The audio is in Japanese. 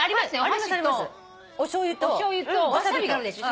箸とおしょうゆとわさびがあるでしょ。